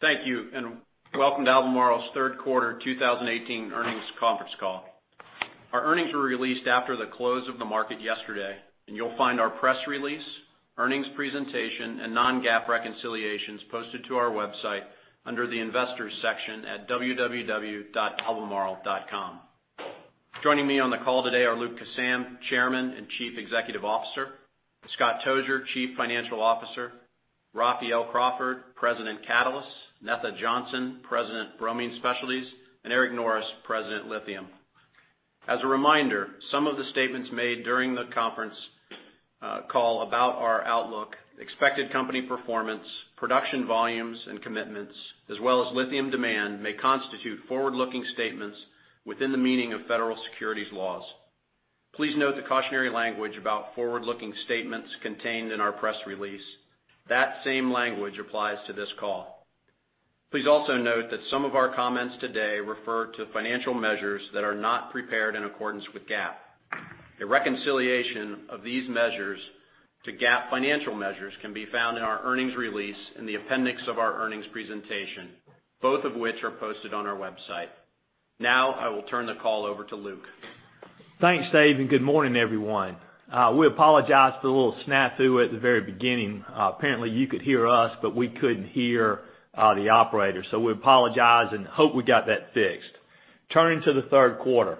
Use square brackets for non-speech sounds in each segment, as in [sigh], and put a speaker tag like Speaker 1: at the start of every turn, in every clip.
Speaker 1: Thank you. Welcome to Albemarle's Third Quarter 2018 Earnings Conference Call. Our earnings were released after the close of the market yesterday. You'll find our press release, earnings presentation, and non-GAAP reconciliations posted to our website under the Investors section at www.albemarle.com. Joining me on the call today are Luke Kissam, Chairman and Chief Executive Officer, Scott Tozier, Chief Financial Officer, Raphael Crawford, President, Catalysts, Netha Johnson, President, Bromine Specialties, and Eric Norris, President, Lithium. As a reminder, some of the statements made during the conference call about our outlook, expected company performance, production volumes and commitments, as well as lithium demand, may constitute forward-looking statements within the meaning of federal securities laws. Please note the cautionary language about forward-looking statements contained in our press release. That same language applies to this call. Please also note that some of our comments today refer to financial measures that are not prepared in accordance with GAAP. A reconciliation of these measures to GAAP financial measures can be found in our earnings release in the appendix of our earnings presentation, both of which are posted on our website. Now, I will turn the call over to Luke.
Speaker 2: Thanks, Dave. Good morning, everyone. We apologize for the little snafu at the very beginning. Apparently, you could hear us. We couldn't hear the operator. We apologize and hope we got that fixed. Turning to the third quarter.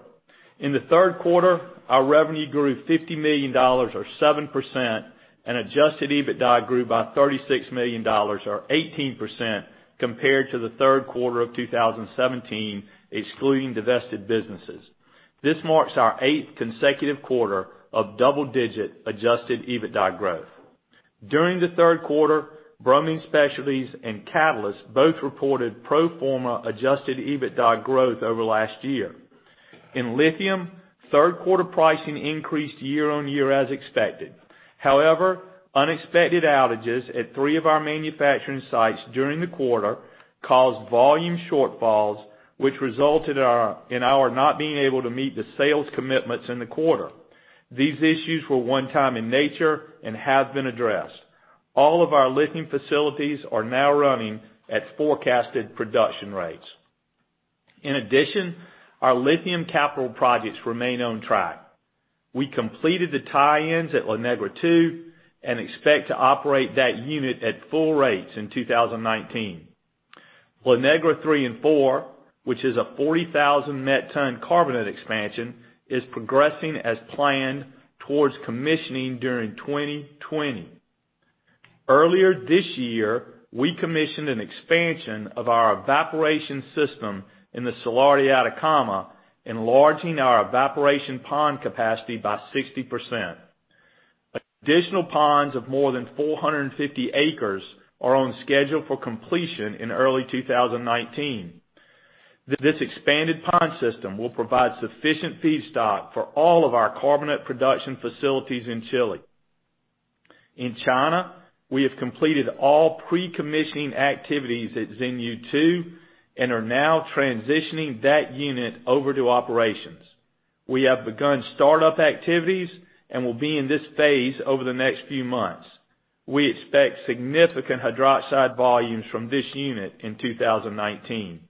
Speaker 2: In the third quarter, our revenue grew $50 million, or 7%. Adjusted EBITDA grew by $36 million, or 18%, compared to the third quarter of 2017, excluding divested businesses. This marks our eighth consecutive quarter of double-digit adjusted EBITDA growth. During the third quarter, Bromine Specialties and Catalysts both reported pro forma adjusted EBITDA growth over last year. In lithium, third-quarter pricing increased year-over-year as expected. However, unexpected outages at three of our manufacturing sites during the quarter caused volume shortfalls, which resulted in our not being able to meet the sales commitments in the quarter. These issues were one time in nature. They have been addressed. All of our lithium facilities are now running at forecasted production rates. In addition, our lithium capital projects remain on track. We completed the tie-ins at La Negra II. We expect to operate that unit at full rates in 2019. La Negra III and IV, which is a 40,000 met ton carbonate expansion, is progressing as planned towards commissioning during 2020. Earlier this year, we commissioned an expansion of our evaporation system in the Salar de Atacama, enlarging our evaporation pond capacity by 60%. Additional ponds of more than 450 acres are on schedule for completion in early 2019. This expanded pond system will provide sufficient feedstock for all of our carbonate production facilities in Chile. In China, we have completed all pre-commissioning activities at Xinyu II. We are now transitioning that unit over to operations. We have begun startup activities and will be in this phase over the next few months. We expect significant hydroxide volumes from this unit in 2019.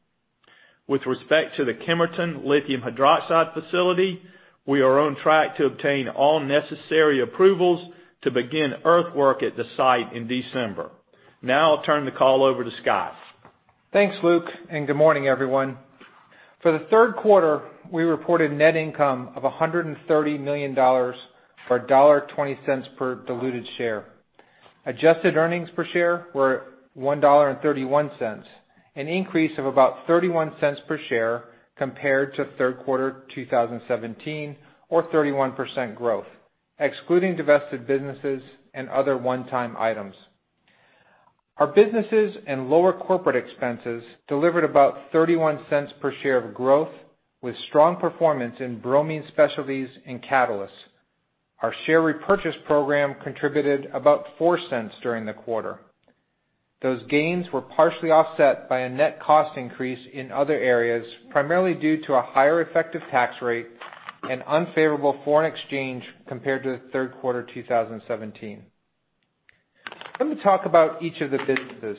Speaker 2: With respect to the Kemerton lithium hydroxide facility, we are on track to obtain all necessary approvals to begin earthwork at the site in December. Now I'll turn the call over to Scott.
Speaker 3: Thanks, Luke, and good morning, everyone. For the third quarter, we reported net income of $130 million, or $1.20 per diluted share. Adjusted earnings per share were $1.31, an increase of about $0.31 per share compared to third quarter 2017, or 31% growth, excluding divested businesses and other one-time items. Our businesses and lower corporate expenses delivered about $0.31 per share of growth, with strong performance in Bromine Specialties and Catalysts. Our share repurchase program contributed about $0.04 during the quarter. Those gains were partially offset by a net cost increase in other areas, primarily due to a higher effective tax rate and unfavorable foreign exchange compared to the third quarter 2017. Let me talk about each of the businesses.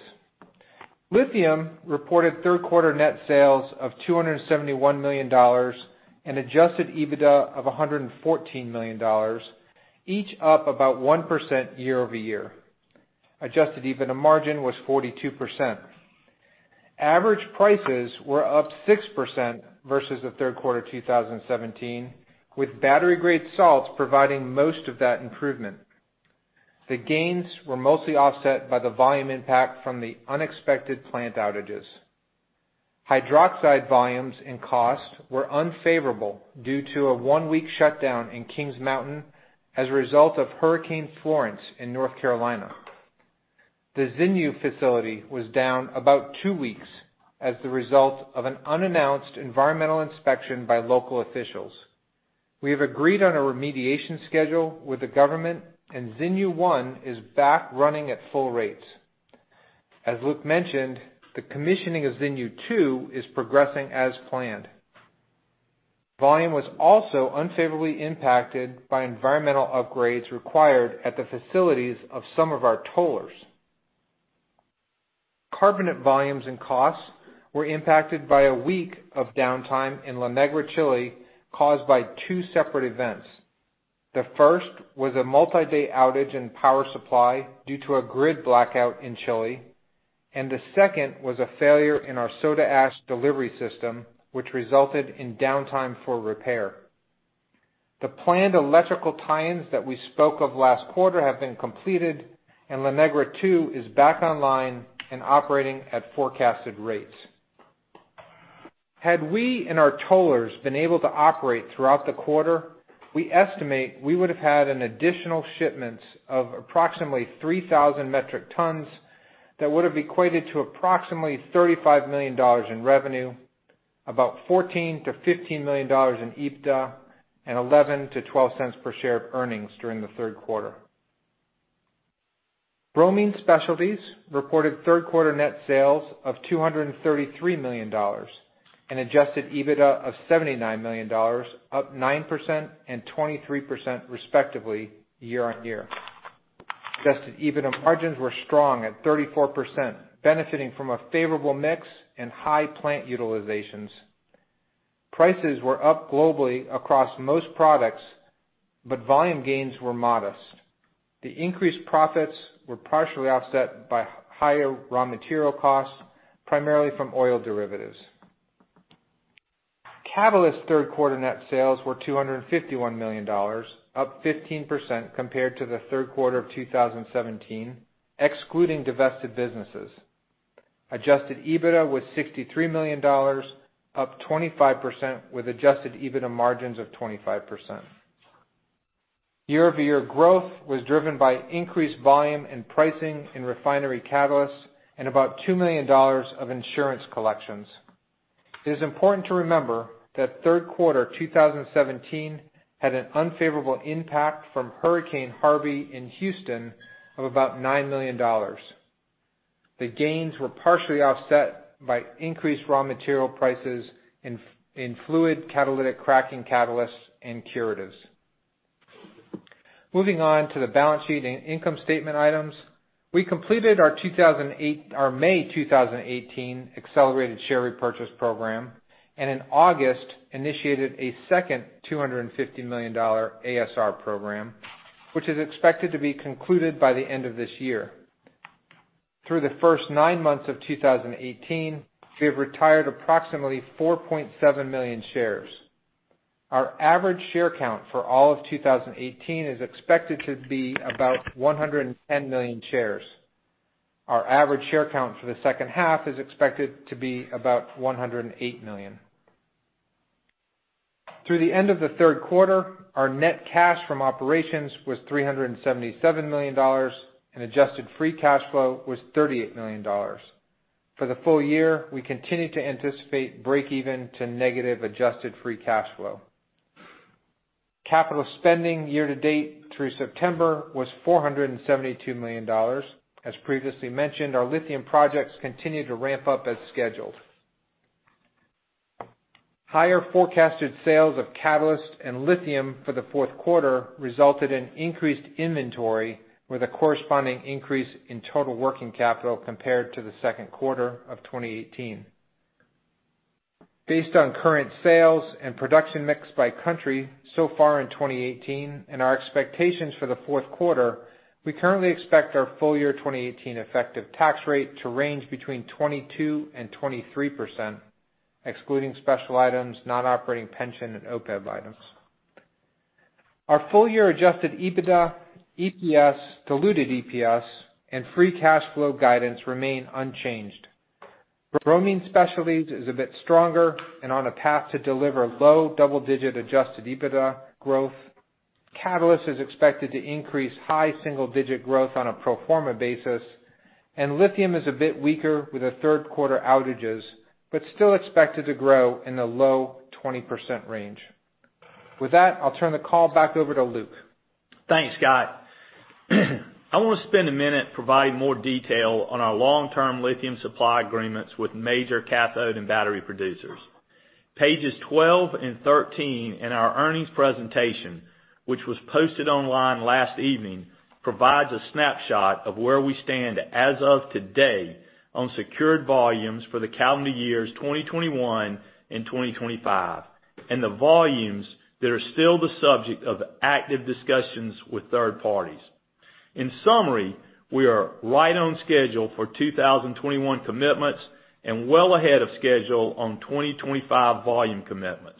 Speaker 3: Lithium reported third-quarter net sales of $271 million and adjusted EBITDA of $114 million, each up about 1% year-over-year. Adjusted EBITDA margin was 42%. Average prices were up 6% versus the third quarter 2017, with battery-grade salts providing most of that improvement. The gains were mostly offset by the volume impact from the unexpected plant outages. Hydroxide volumes and costs were unfavorable due to a one-week shutdown in Kings Mountain as a result of Hurricane Florence in North Carolina. The Xinyu facility was down about two weeks as the result of an unannounced environmental inspection by local officials. We have agreed on a remediation schedule with the government, and Xinyu I is back running at full rates. As Luke mentioned, the commissioning of Xinyu II is progressing as planned. Volume was also unfavorably impacted by environmental upgrades required at the facilities of some of our tollers. Carbonate volumes and costs were impacted by a week of downtime in La Negra, Chile, caused by two separate events. The first was a multi-day outage in power supply due to a grid blackout in Chile. The second was a failure in our soda ash delivery system, which resulted in downtime for repair. The planned electrical tie-ins that we spoke of last quarter have been completed, and La Negra II is back online and operating at forecasted rates. Had we and our tollers been able to operate throughout the quarter, we estimate we would have had an additional shipment of approximately 3,000 metric tons that would have equated to approximately $35 million in revenue, about $14 million-$15 million in EBITDA, and $0.11-$0.12 per share of earnings during the third quarter. Bromine Specialties reported third quarter net sales of $233 million and adjusted EBITDA of $79 million, up 9% and 23% respectively year-on-year. Adjusted EBITDA margins were strong at 34%, benefiting from a favorable mix and high plant utilizations. Prices were up globally across most products, but volume gains were modest. The increased profits were partially offset by higher raw material costs, primarily from oil derivatives. Catalyst third quarter net sales were $251 million, up 15% compared to the third quarter of 2017, excluding divested businesses. Adjusted EBITDA was $63 million, up 25%, with Adjusted EBITDA margins of 25%. Year-over-year growth was driven by increased volume and pricing in refinery catalysts and about $2 million of insurance collections. It is important to remember that third quarter 2017 had an unfavorable impact from Hurricane Harvey in Houston of about $9 million. The gains were partially offset by increased raw material prices in fluid catalytic cracking catalysts and curatives. Moving on to the balance sheet and income statement items. We completed our May 2018 accelerated share repurchase program. In August initiated a second $250 million ASR program, which is expected to be concluded by the end of this year. Through the first nine months of 2018, we have retired approximately 4.7 million shares. Our average share count for all of 2018 is expected to be about 110 million shares. Our average share count for the second half is expected to be about 108 million. Through the end of the third quarter, our net cash from operations was $377 million and adjusted free cash flow was $38 million. For the full year, we continue to anticipate breakeven to negative adjusted free cash flow. Capital spending year-to-date through September was $472 million. As previously mentioned, our lithium projects continue to ramp up as scheduled. Higher forecasted sales of Catalyst and lithium for the fourth quarter resulted in increased inventory with a corresponding increase in total working capital compared to the second quarter of 2018. Based on current sales and production mix by country so far in 2018 and our expectations for the fourth quarter, we currently expect our full-year 2018 effective tax rate to range between 22% and 23%, excluding special items, non-operating pension and OPEB items. Our full-year Adjusted EBITDA, EPS, diluted EPS and free cash flow guidance remain unchanged. Bromine Specialties is a bit stronger and on a path to deliver low double-digit Adjusted EBITDA growth. Catalyst is expected to increase high single-digit growth on a pro forma basis, and lithium is a bit weaker with the third quarter outages, but still expected to grow in the low 20% range. With that, I'll turn the call back over to Luke.
Speaker 2: Thanks, Scott. I want to spend a minute providing more detail on our long-term lithium supply agreements with major cathode and battery producers. Pages 12 and 13 in our earnings presentation, which was posted online last evening, provides a snapshot of where we stand as of today on secured volumes for the calendar years 2021 and 2025, and the volumes that are still the subject of active discussions with third parties. In summary, we are right on schedule for 2021 commitments and well ahead of schedule on 2025 volume commitments.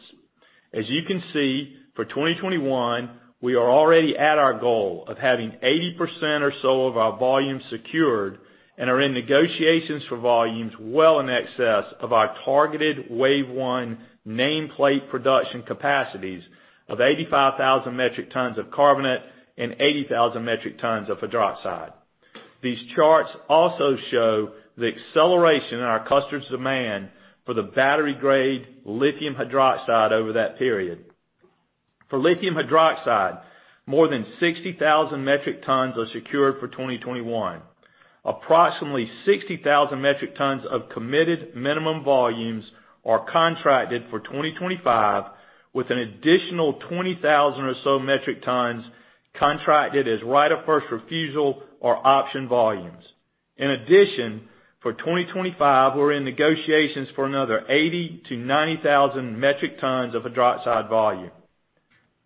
Speaker 2: As you can see, for 2021, we are already at our goal of having 80% or so of our volume secured and are in negotiations for volumes well in excess of our targeted wave one nameplate production capacities of 85,000 metric tons of carbonate and 80,000 metric tons of hydroxide. These charts also show the acceleration in our customers' demand for the battery-grade lithium hydroxide over that period. For lithium hydroxide, more than 60,000 metric tons are secured for 2021. Approximately 60,000 metric tons of committed minimum volumes are contracted for 2025, with an additional 20,000 or so metric tons contracted as right of first refusal or option volumes. In addition, for 2025, we're in negotiations for another 80,000-90,000 metric tons of hydroxide volume.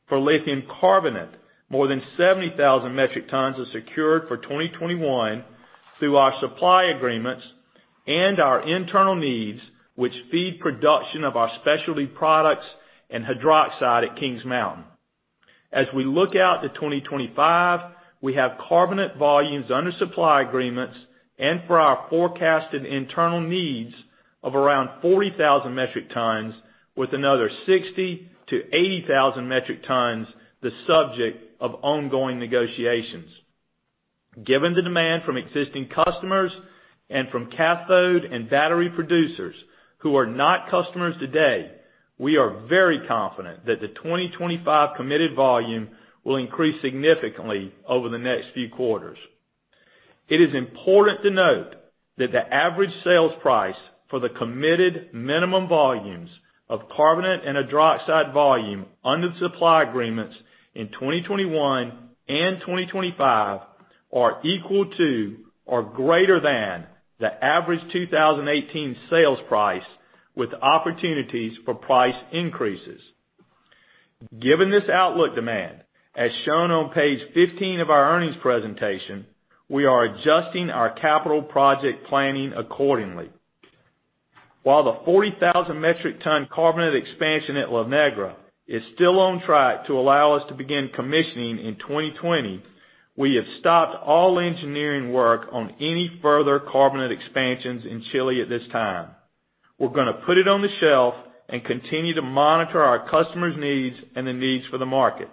Speaker 2: For lithium carbonate, more than 70,000 metric tons are secured for 2021 through our supply agreements and our internal needs, which feed production of our specialty products and hydroxide at Kings Mountain. As we look out to 2025, we have carbonate volumes under supply agreements and for our forecasted internal needs of around 40,000 metric tons, with another 60,000-80,000 metric tons the subject of ongoing negotiations. Given the demand from existing customers and from cathode and battery producers who are not customers today, we are very confident that the 2025 committed volume will increase significantly over the next few quarters. It is important to note that the average sales price for the committed minimum volumes of carbonate and hydroxide volume under the supply agreements in 2021 and 2025 are equal to or greater than the average 2018 sales price, with opportunities for price increases. Given this outlook demand, as shown on page 15 of our earnings presentation, we are adjusting our capital project planning accordingly. While the 40,000 metric ton carbonate expansion at La Negra is still on track to allow us to begin commissioning in 2020, we have stopped all engineering work on any further carbonate expansions in Chile at this time. We're going to put it on the shelf and continue to monitor our customers' needs and the needs for the market.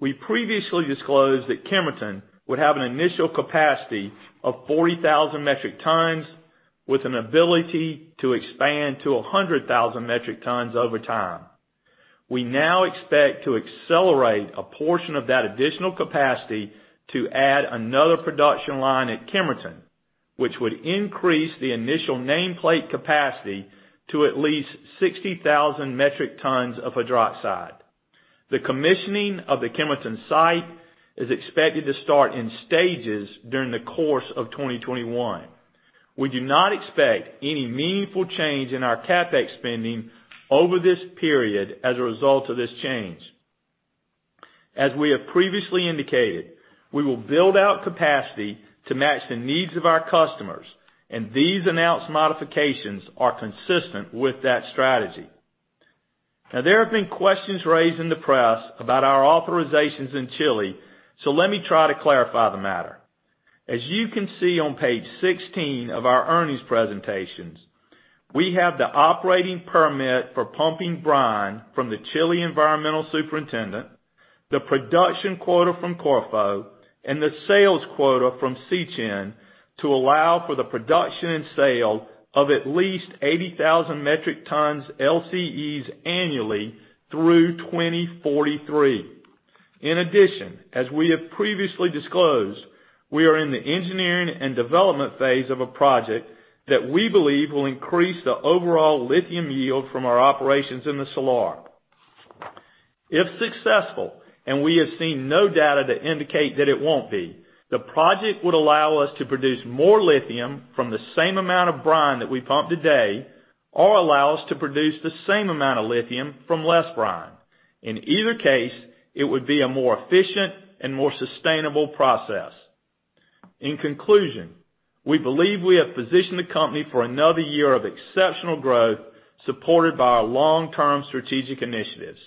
Speaker 2: We previously disclosed that Kemerton would have an initial capacity of 40,000 metric tons with an ability to expand to 100,000 metric tons over time. We now expect to accelerate a portion of that additional capacity to add another production line at Kemerton, which would increase the initial nameplate capacity to at least 60,000 metric tons of hydroxide. The commissioning of the Kemerton site is expected to start in stages during the course of 2021. We do not expect any meaningful change in our CapEx spending over this period as a result of this change. As we have previously indicated, we will build out capacity to match the needs of our customers, and these announced modifications are consistent with that strategy. There have been questions raised in the press about our authorizations in Chile. Let me try to clarify the matter. As you can see on page 16 of our earnings presentations, we have the operating permit for pumping brine from the Chile Environmental Superintendent, the production quota from Corfo, and the sales quota from CCHEN to allow for the production and sale of at least 80,000 metric tons LCEs annually through 2043. In addition, as we have previously disclosed, we are in the engineering and development phase of a project that we believe will increase the overall lithium yield from our operations in the Salar. If successful, and we have seen no data to indicate that it won't be, the project would allow us to produce more lithium from the same amount of brine that we pump today or allow us to produce the same amount of lithium from less brine. In either case, it would be a more efficient and more sustainable process. In conclusion, we believe we have positioned the company for another year of exceptional growth, supported by our long-term strategic initiatives.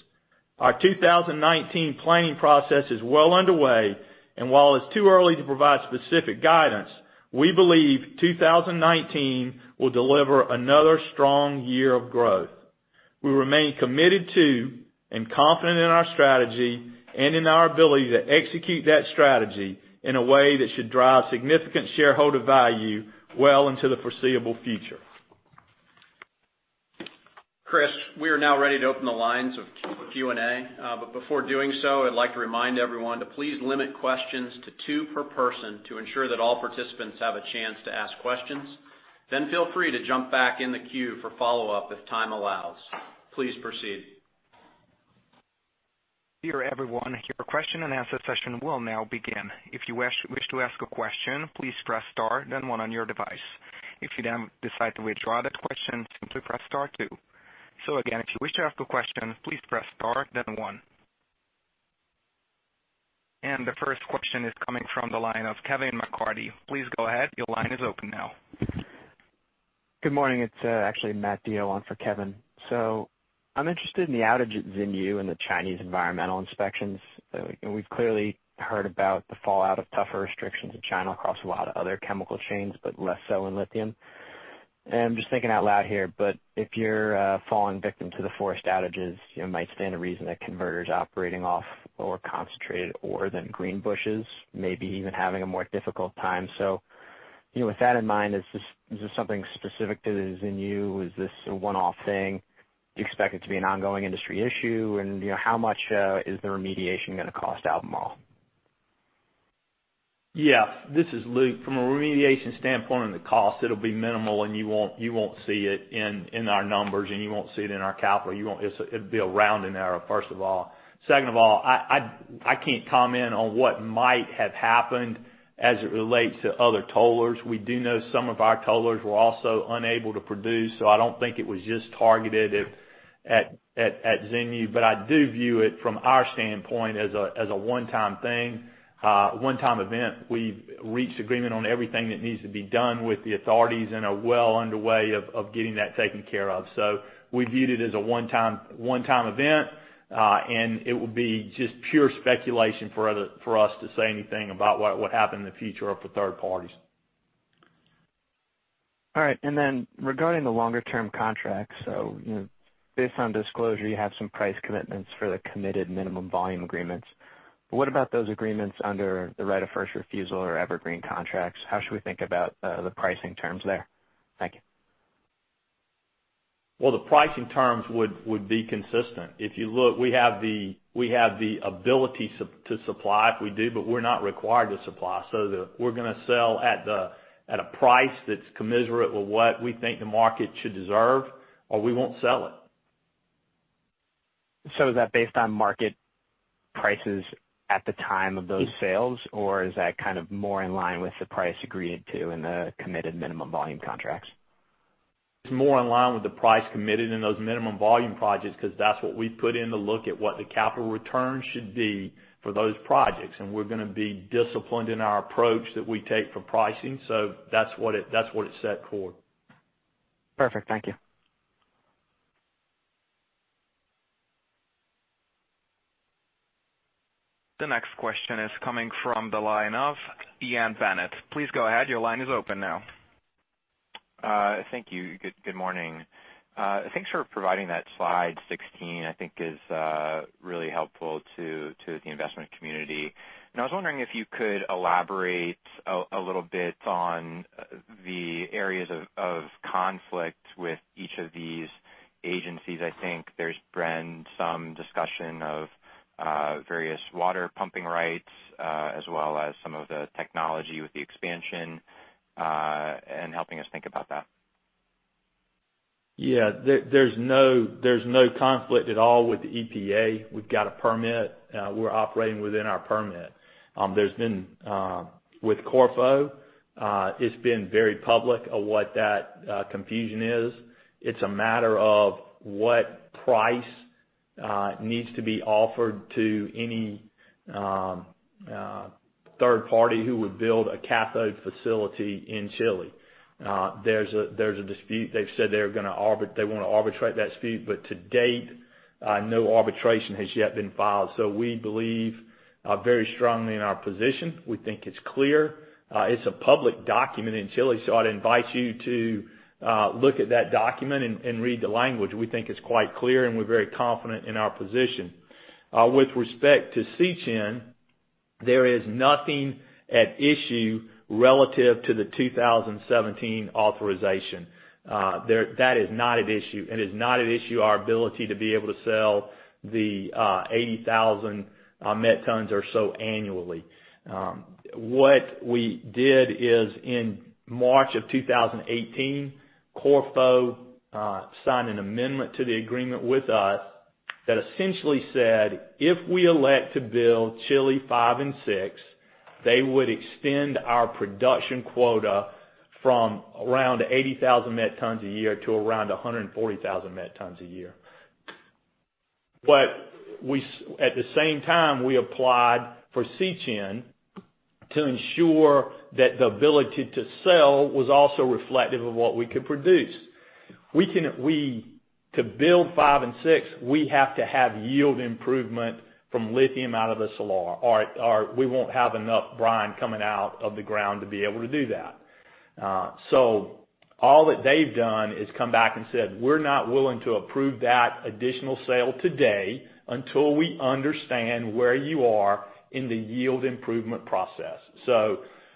Speaker 2: Our 2019 planning process is well underway, and while it's too early to provide specific guidance, we believe 2019 will deliver another strong year of growth. We remain committed to and confident in our strategy and in our ability to execute that strategy in a way that should drive significant shareholder value well into the foreseeable future.
Speaker 1: Chris, we are now ready to open the lines of Q&A. Before doing so, I'd like to remind everyone to please limit questions to two per person to ensure that all participants have a chance to ask questions. Feel free to jump back in the queue for follow-up if time allows. Please proceed.
Speaker 4: Dear everyone, your question and answer session will now begin. If you wish to ask a question, please press star then one on your device. If you then decide to withdraw that question, simply press star two. Again, if you wish to ask a question, please press star then one. The first question is coming from the line of Kevin McCarthy. Please go ahead, your line is open now.
Speaker 5: Good morning. It's actually Matt DeYeo on for Kevin. I'm interested in the outage at Xinyu and the Chinese environmental inspections. We've clearly heard about the fallout of tougher restrictions in China across a lot of other chemical chains, but less so in lithium. I'm just thinking out loud here, but if you're falling victim to the forced outages, it might stand to reason that converters operating off more concentrated ore than Greenbushes may be even having a more difficult time. With that in mind, is this something specific to the Xinyu? Is this a one-off thing? Do you expect it to be an ongoing industry issue? How much is the remediation going to cost Albemarle?
Speaker 2: Yeah. This is Luke. From a remediation standpoint and the cost, it'll be minimal, and you won't see it in our numbers, and you won't see it in our capital. It'd be a rounding error, first of all. Second of all, I can't comment on what might have happened as it relates to other tollers. We do know some of our tollers were also unable to produce. I don't think it was just targeted at Xinyu. I do view it from our standpoint as a one-time thing, one-time event. We've reached agreement on everything that needs to be done with the authorities and are well underway of getting that taken care of. We view it as a one-time event, and it would be just pure speculation for us to say anything about what would happen in the future or for third parties.
Speaker 5: All right. Regarding the longer term contracts, based on disclosure, you have some price commitments for the committed minimum volume agreements. What about those agreements under the right of first refusal or evergreen contracts? How should we think about the pricing terms there? Thank you.
Speaker 2: Well, the pricing terms would be consistent. If you look, we have the ability to supply if we do, but we're not required to supply. We're going to sell at a price that's commensurate with what we think the market should deserve, or we won't sell it.
Speaker 5: Is that based on market prices at the time of those sales, or is that more in line with the price agreed to in the committed minimum volume contracts?
Speaker 2: It's more in line with the price committed in those minimum volume projects because that's what we put in to look at what the capital return should be for those projects. We're going to be disciplined in our approach that we take for pricing. That's what it's set for.
Speaker 5: Perfect. Thank you.
Speaker 4: The next question is coming from the line of Ian Bennett. Please go ahead, your line is open now.
Speaker 6: Thank you. Good morning. Thanks for providing that slide 16. I think is really helpful to the investment community. I was wondering if you could elaborate a little bit on the areas of conflict with each of these agencies. I think there's been some discussion of various water pumping rights, as well as some of the technology with the expansion, and helping us think about that.
Speaker 2: Yeah. There's no conflict at all with the EPA. We've got a permit. We're operating within our permit. With Corfo, it's been very public of what that confusion is. It's a matter of what price needs to be offered to any third party who would build a cathode facility in Chile. There's a dispute. They've said they want to arbitrate that dispute, but to date, no arbitration has yet been filed. We believe very strongly in our position. We think it's clear. It's a public document in Chile, so I'd invite you to look at that document and read the language. We think it's quite clear, and we're very confident in our position. With respect to CCHEN, there is nothing at issue relative to the 2017 authorization. That is not at issue. It is not at issue our ability to be able to sell the 80,000 met tons or so annually. What we did is in March of 2018, Corfo signed an amendment to the agreement with us that essentially said, if we elect to build Chile five and six, they would extend our production quota from around 80,000 met tons a year to around 140,000 met tons a year. At the same time, we applied for CCHEN to ensure that the ability to sell was also reflective of what we could produce. To build five and six, we have to have yield improvement from lithium out of the Salar, or we won't have enough brine coming out of the ground to be able to do that. All that they've done is come back and said, "We're not willing to approve that additional sale today until we understand where you are in the yield improvement process."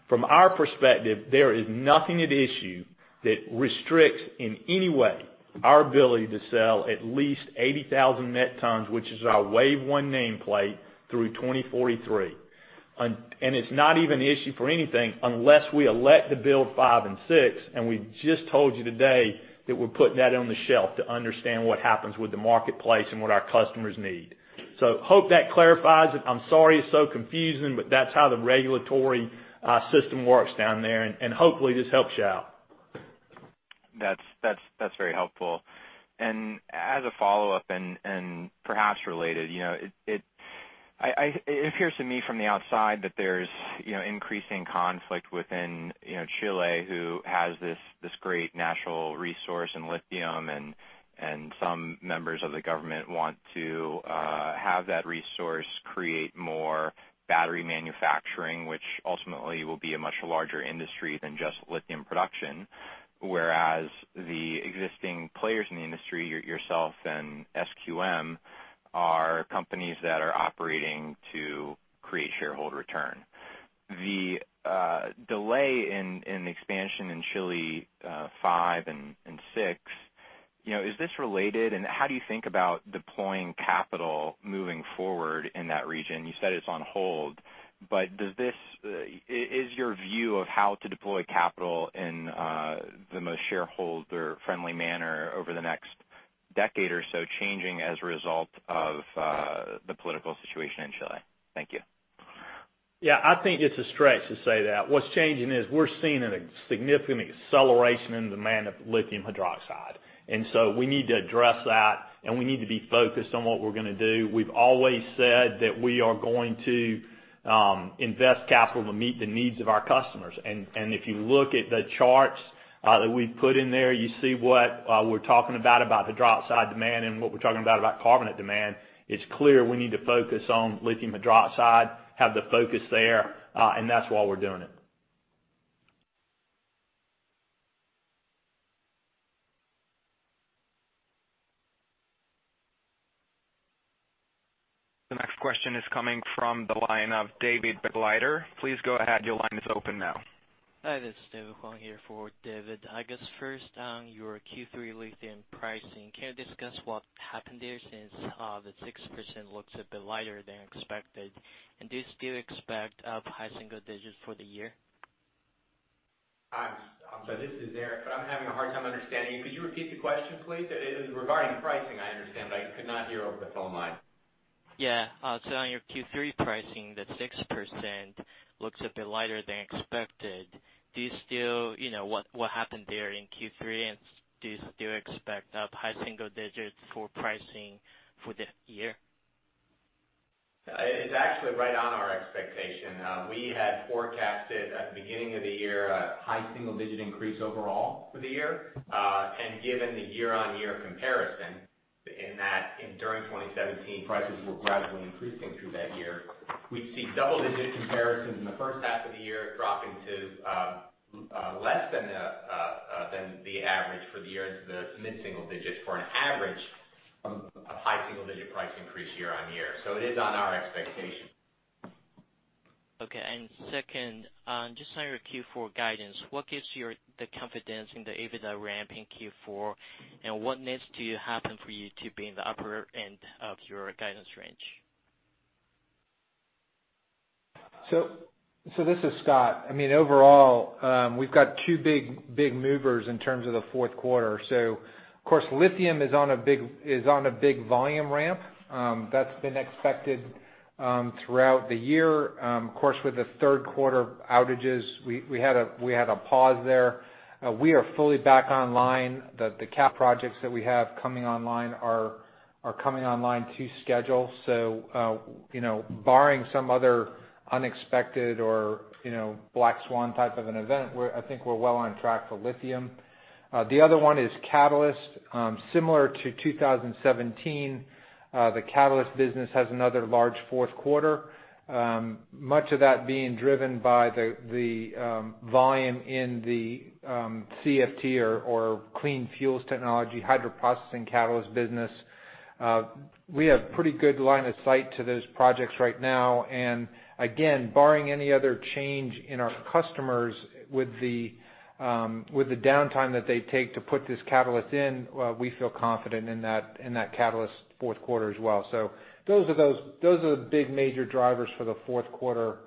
Speaker 2: From our perspective, there is nothing at issue that restricts in any way our ability to sell at least 80,000 met tons, which is our wave one name plate through 2043. It's not even an issue for anything unless we elect to build five and six, and we just told you today that we're putting that on the shelf to understand what happens with the marketplace and what our customers need. Hope that clarifies it. I'm sorry it's so confusing, that's how the regulatory system works down there, and hopefully this helps you out.
Speaker 6: That's very helpful. As a follow-up, and perhaps related, it appears to me from the outside that there's increasing conflict within Chile who has this great natural resource in lithium and some members of the government want to have that resource create more battery manufacturing, which ultimately will be a much larger industry than just lithium production. Whereas the existing players in the industry, yourself and SQM, are companies that are operating to create shareholder return. The delay in expansion in Chile five and six, is this related? How do you think about deploying capital moving forward in that region? You said it's on hold, is your view of how to deploy capital in the most shareholder-friendly manner over the next decade or so changing as a result of the political situation in Chile? Thank you.
Speaker 2: Yeah, I think it's a stretch to say that. What's changing is we're seeing a significant acceleration in the demand of lithium hydroxide, so we need to address that, and we need to be focused on what we're going to do. We've always said that we are going to invest capital to meet the needs of our customers. If you look at the charts that we've put in there, you see what we're talking about hydroxide demand and what we're talking about carbonate demand. It's clear we need to focus on lithium hydroxide, have the focus there, and that's why we're doing it.
Speaker 4: The next question is coming from the line of David Begleiter. Please go ahead, your line is open now.
Speaker 7: Hi, this is David Huang here for David. I guess first on your Q3 lithium pricing, can you discuss what happened there, since the 6% looks a bit lighter than expected? Do you still expect up high single digits for the year?
Speaker 8: I'm sorry, this is Eric. I'm having a hard time understanding you. Could you repeat the question, please? It is regarding pricing, I understand, I could not hear over the phone line.
Speaker 7: Yeah. On your Q3 pricing, the 6% looks a bit lighter than expected. What happened there in Q3, and do you still expect up high single digits for pricing for the year?
Speaker 8: It's actually right on our expectation. We had forecasted at the beginning of the year a high single-digit increase overall for the year. Given the year-on-year comparison in that during 2017, prices were gradually increasing through that year. We see double-digit comparisons in the first half of the year dropping to less than the average for the year into the mid-single digits for an average of high single-digit price increase year-on-year. It is on our expectation.
Speaker 7: Okay. Second, just on your Q4 guidance, what gives you the confidence in the EBITDA ramp in Q4, and what needs to happen for you to be in the upper end of your guidance range?
Speaker 3: This is Scott. Overall, we've got two big movers in terms of the fourth quarter. Of course, lithium is on a big volume ramp. That's been expected throughout the year. Of course, with the third quarter outages, we had a pause there. We are fully back online. The cap projects that we have coming online are coming online to schedule. Barring some other unexpected or black swan type of an event, I think we're well on track for lithium. The other one is catalyst. Similar to 2017, the catalyst business has another large fourth quarter. Much of that being driven by the volume in the CFT or Clean Fuels Technology, hydro processing catalyst business. We have pretty good line of sight to those projects right now. Again, barring any other change in our customers with the downtime that they take to put this catalyst in, we feel confident in that catalyst fourth quarter as well. Those are the big major drivers for the fourth quarter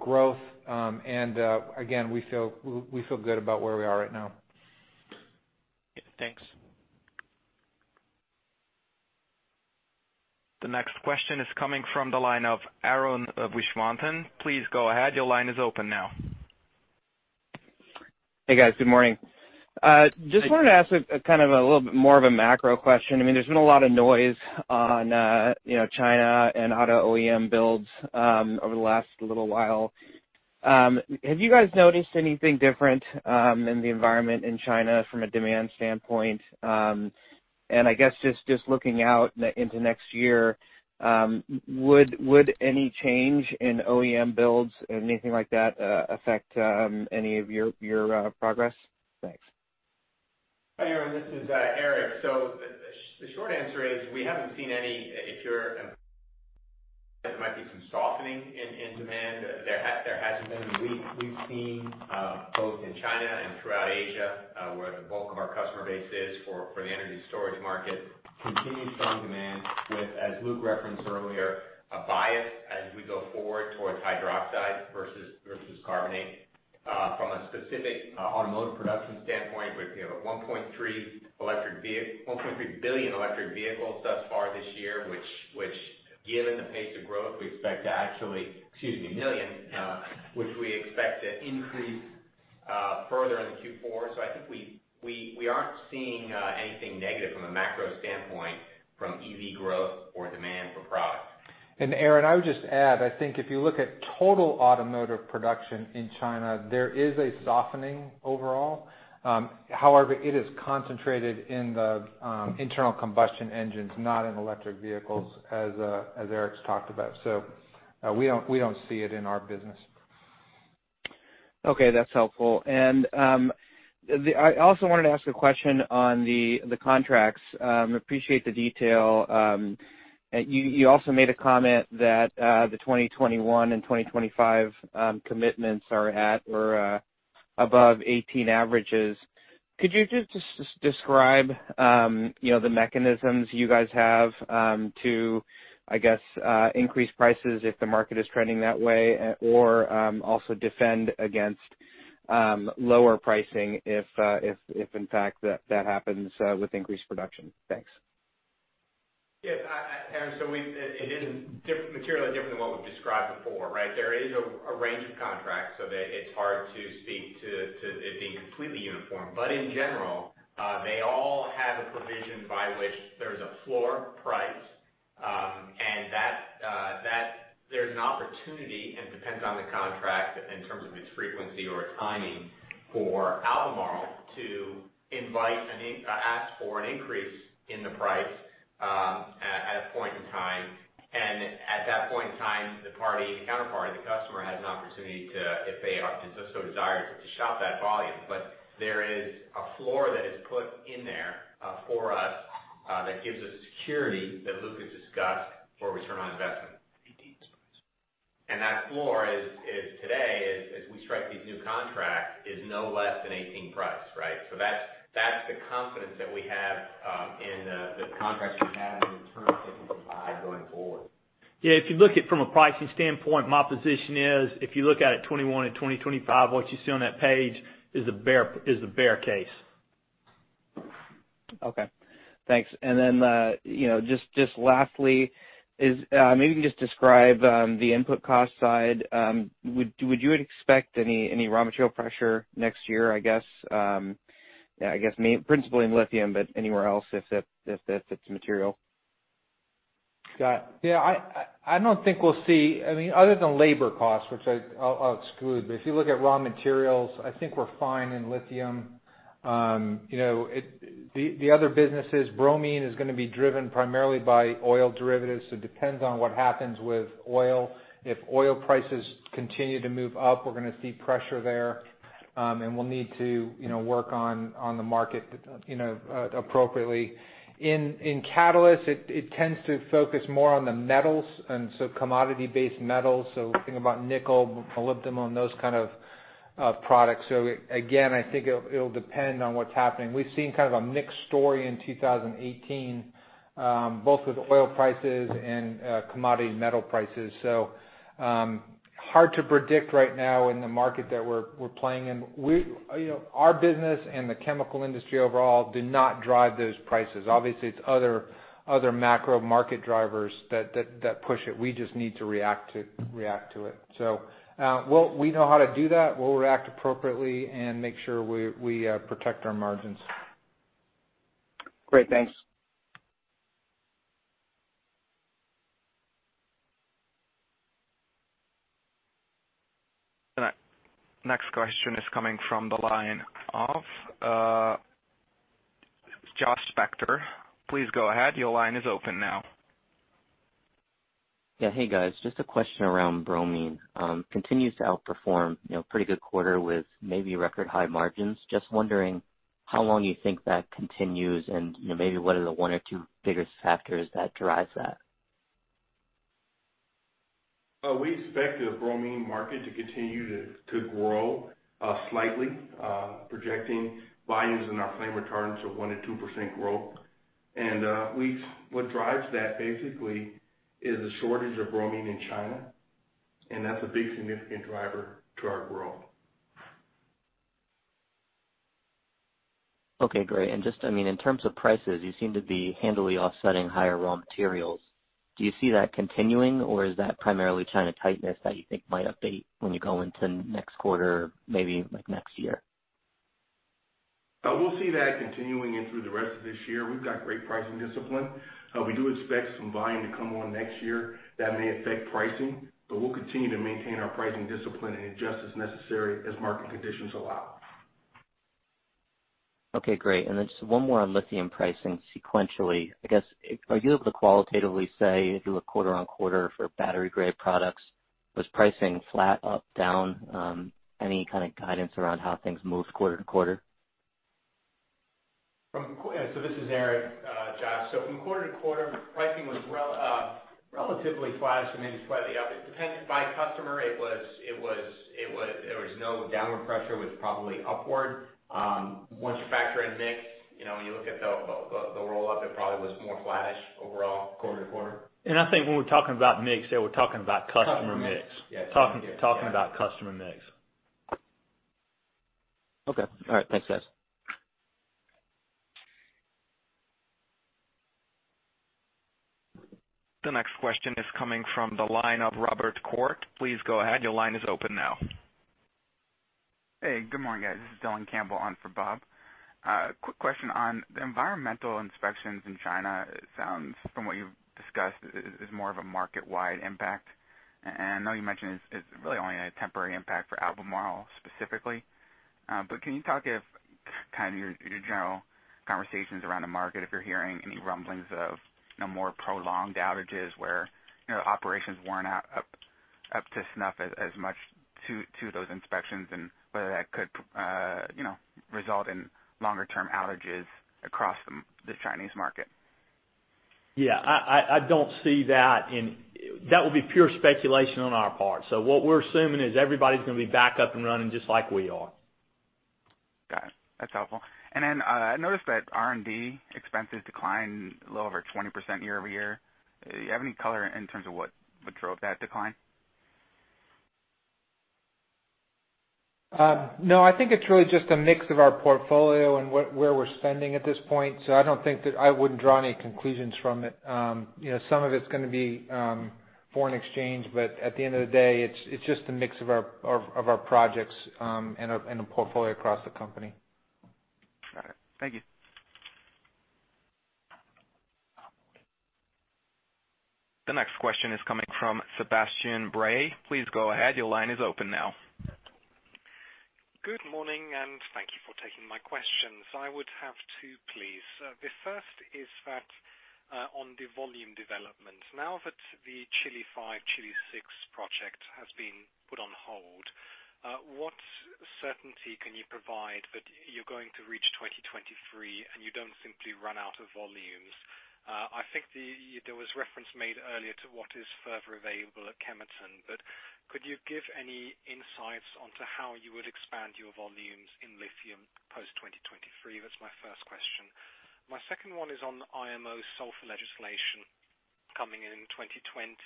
Speaker 3: growth. Again, we feel good about where we are right now.
Speaker 7: Thanks.
Speaker 4: The next question is coming from the line of Arun Viswanathan. Please go ahead, your line is open now.
Speaker 9: Hey, guys. Just wanted to ask kind of a little bit more of a macro question. There's been a lot of noise on China and auto OEM builds over the last little while. Have you guys noticed anything different in the environment in China from a demand standpoint? I guess, just looking out into next year, would any change in OEM builds or anything like that affect any of your progress? Thanks.
Speaker 8: Hi, Arun. This is Eric. The short answer is we haven't seen any there might be some softening in demand. There hasn't been. We've seen, both in China and throughout Asia, where the bulk of our customer base is for the energy storage market, continued strong demand with, as Luke referenced earlier, a bias as we go forward towards hydroxide versus carbonate. From a specific automotive production standpoint with 1.3 billion electric vehicles thus far this year, which given the pace of growth, we expect to actually excuse me, million, which we expect to increase further into Q4. I think we aren't seeing anything negative from a macro standpoint from EV growth or demand for products.
Speaker 3: Arun, I would just add, I think if you look at total automotive production in China, there is a softening overall. However, it is concentrated in the internal combustion engines, not in electric vehicles, as Eric's talked about. We don't see it in our business.
Speaker 9: Okay, that's helpful. I also wanted to ask a question on the contracts. Appreciate the detail. You also made a comment that the 2021 and 2025 commitments are at or above 2018 averages. Could you just describe the mechanisms you guys have to, I guess, increase prices if the market is trending that way, or also defend against lower pricing if in fact that happens with increased production? Thanks.
Speaker 8: Arun, it isn't materially different than what we've described before, right? There is a range of contracts, that it's hard to speak to it being completely uniform. In general, they all have a provision by which there's a floor price. There's an opportunity, and it depends on the contract in terms of its frequency or timing, for Albemarle to ask for an increase in the price at a point in time. At that point in time, the counterparty, the customer, has an opportunity if they so desire, to shop that volume. There is a floor that is put in there for us that gives us security that Luke discussed for return on investment. And that floor is today, as we strike these new contracts, is no less than 2018 price, right? That's the confidence that we have in the contracts we have and the terms that we can provide going forward.
Speaker 2: If you look at it from a pricing standpoint, my position is if you look at it 2021 and 2025, what you see on that page is the bear case.
Speaker 9: Okay. Thanks. Just lastly, maybe you can just describe the input cost side. Would you expect any raw material pressure next year, I guess, principally in lithium, but anywhere else, if it's material?
Speaker 3: Got it. I don't think we'll see other than labor costs, which I'll exclude, but if you look at raw materials, I think we're fine in lithium. The other businesses, bromine is going to be driven primarily by oil derivatives, so it depends on what happens with oil. If oil prices continue to move up, we're going to see pressure there, and we'll need to work on the market appropriately. In catalysts, it tends to focus more on the metals, and commodity-based metals, so think about nickel, molybdenum, those kind of products. Again, I think it'll depend on what's happening. We've seen kind of a mixed story in 2018, both with oil prices and commodity metal prices. Hard to predict right now in the market that we're playing in. Our business and the chemical industry overall do not drive those prices. Obviously, it's other macro market drivers that push it. We just need to react to it. We know how to do that. We'll react appropriately and make sure we protect our margins.
Speaker 9: Great. Thanks.
Speaker 4: The next question is coming from the line of Josh Spector. Please go ahead, your line is open now.
Speaker 10: Hey, guys. Just a question around Bromine. Continues to outperform, pretty good quarter with maybe record high margins. Just wondering how long you think that continues and maybe what are the one or two biggest factors that drives that?
Speaker 11: We expect the bromine market to continue to grow slightly, projecting volumes in our flame retardants of 1%-2% growth. What drives that basically is a shortage of bromine in China, that's a big significant driver to our growth.
Speaker 10: Okay, great. Just in terms of prices, you seem to be handily offsetting higher raw materials. Do you see that continuing, or is that primarily China tightness that you think might abate when you go into next quarter, maybe next year?
Speaker 11: We'll see that continuing in through the rest of this year. We've got great pricing discipline. We do expect some volume to come on next year that may affect pricing, we'll continue to maintain our pricing discipline and adjust as necessary as market conditions allow.
Speaker 10: Okay, great. Just one more on lithium pricing sequentially. I guess, are you able to qualitatively say if you look quarter-on-quarter for battery-grade products, was pricing flat, up, down? Any kind of guidance around how things moved quarter-to-quarter?
Speaker 8: This is Arun, Josh. From quarter-over-quarter, pricing was relatively flattish and maybe slightly up. It depends by customer. There was no downward pressure. It was probably upward. Once you factor in mix, when you look at the roll-up, it probably was more flattish overall quarter-over-quarter.
Speaker 2: I think when we're talking about mix there, we're talking about customer mix. [crosstalk] Talking about customer mix.
Speaker 10: Okay. All right. Thanks, guys.
Speaker 4: The next question is coming from the line of Robert Koort. Please go ahead, your line is open now.
Speaker 12: Hey, good morning, guys. This is Dylan Campbell on for Bob. Quick question on the environmental inspections in China. I know you mentioned it's really only a temporary impact for Albemarle specifically. Can you talk if this kind of your general conversations around the market, if you're hearing any rumblings of more prolonged outages where operations weren't up to snuff as much to those inspections and whether that could result in longer-term outages across the Chinese market.
Speaker 2: Yeah, I don't see that, and that would be pure speculation on our part. What we're assuming is everybody's going to be back up and running just like we are.
Speaker 12: Got it. That's helpful. I noticed that R&D expenses declined a little over 20% year-over-year. Do you have any color in terms of what drove that decline?
Speaker 13: No, I think it's really just a mix of our portfolio and where we're spending at this point. I wouldn't draw any conclusions from it. Some of it's going to be foreign exchange, at the end of the day, it's just a mix of our projects and our portfolio across the company.
Speaker 12: Got it. Thank you.
Speaker 4: The next question is coming from Sebastian Bray. Please go ahead. Your line is open now.
Speaker 14: Good morning, and thank you for taking my questions. I would have two, please. The first is that on the volume development, now that the Chile five, Chile six project has been put on hold, what certainty can you provide that you're going to reach 2023 and you don't simply run out of volumes? I think there was reference made earlier to what is further available at Kemerton, but could you give any insights onto how you would expand your volumes in lithium post 2023? That's my first question. My second one is on the IMO sulfur legislation coming in 2020.